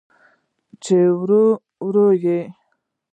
چې ورو، ورو یې